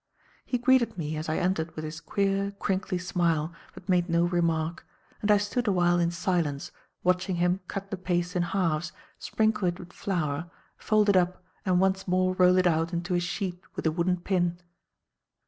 He greeted me, as I entered with his queer, crinkly smile, but made no remark; and I stood awhile in silence, watching him cut the paste in halves, sprinkle it with flour, fold it up and once more roll it out into a sheet with the wooden pin.